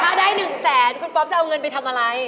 ถ้าได้๑แสนคุณป๊อปจะเอาเงินไปทำอะไร